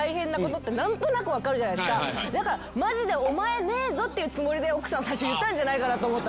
だからマジで「お前ねぇぞ」っていうつもりで奥さん最初言ったんじゃないかと思ったんですよ。